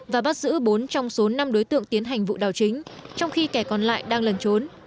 và bắt giữ bốn trong số năm đối tượng tiến hành vụ đảo chính trong khi kẻ còn lại đang lần trốn